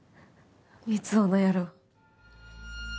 光雄の野郎。